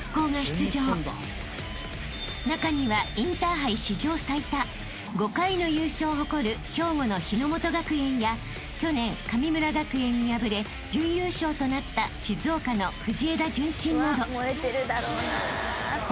［中にはインターハイ史上最多５回の優勝を誇る兵庫の日ノ本学園や去年神村学園に敗れ準優勝となった静岡の藤枝順心など］